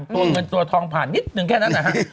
ตัวเงินตัวทองผ่านนิดนึงแค่นั้นนะฮะ